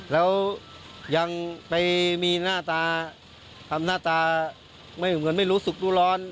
แล้วยังไปมีหน้าตาทำหน้าตาไม่เหมือนไม่รู้สึกรู้ร้อน